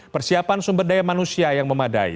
persiapan sumber daya manusia yang memadai